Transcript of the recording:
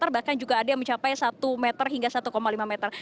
bahkan juga ada yang mencapai satu meter hingga satu lima meter